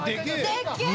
でっけえ！